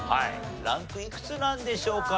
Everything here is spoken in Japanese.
ランクいくつなんでしょうか。